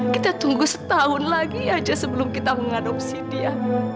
kita tunggu setahun lagi aja sebelum kita mengadopsi dia